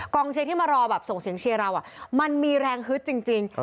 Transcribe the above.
เชียร์ที่มารอแบบส่งเสียงเชียร์เรามันมีแรงฮึดจริง